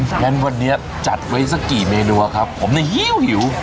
งั้นวันนี้จัดไว้สักกี่เมนูครับผมเนี่ยหิ้วหิว